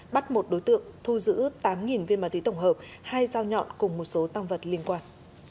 bắt một đối tượng thu giữ tám viên ma túy tổng hợp hai dao nhọn cùng một số tăng vật liên quan